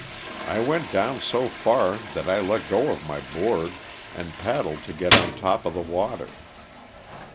I went down so far that I let go of my board and paddled to get on top of the water.